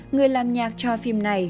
người làm nhạc cho phim này